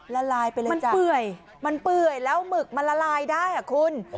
ละลายไปเลยมันเปื่อยมันเปื่อยแล้วหมึกมันละลายได้อ่ะคุณ